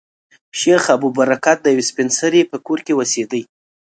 شیخ ابوالبرکات د یوې سپین سري په کور کې اوسېدی.